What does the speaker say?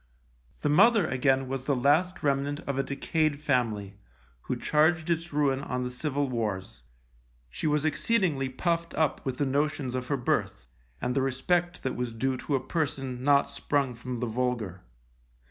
The mother, again, was the last remnant of a decayed family, who charged its ruin on the Civil Wars. She was exceedingly puffed up with the notions of her birth, and the respect that was due to a person not sprung from the vulgar.